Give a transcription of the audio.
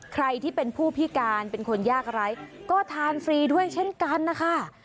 ใครที่เป็นผู้พิการเป็นคนยากไร้ก็ทานฟรีด้วยเช่นกันนะคะ